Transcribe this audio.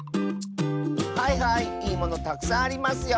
はいはいいいものたくさんありますよ。